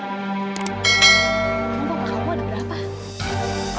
emang papa kamu ada berapa